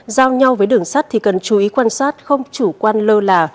giao nhau với đường sắt thì cần chú ý quan sát không chủ quan lơ là